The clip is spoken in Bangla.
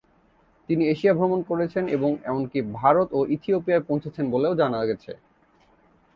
তিনি এশিয়া ভ্রমণ করেছেন এবং এমনকি ভারত এবং ইথিওপিয়ায় পৌঁছেছেন বলেও জানা গেছে।